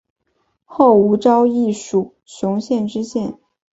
后吴兆毅署雄县知县。